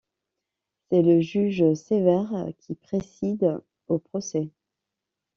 C'est le juge sévère qui préside au procès.